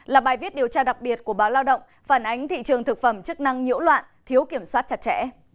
là bài viết điều tra đặc biệt của báo lao động phản ánh thị trường thực phẩm chức năng nhiễu loạn thiếu kiểm soát chặt chẽ